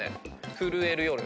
震える夜。